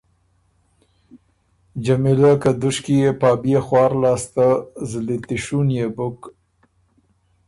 جمیلۀ که دُشکی يې پا بيې خوار شکیلۀ لاسته زلی تیشُونيې بُک۔